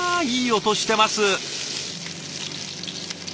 いい音してます！